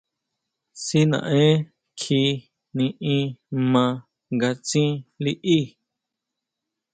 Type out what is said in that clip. Si naʼen kjí niʼín ma nga tsín liʼí.